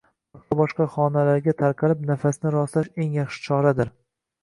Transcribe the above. boshqa-boshqa xonalarga tarqalib, nafasni rostlash eng yaxshi choradir.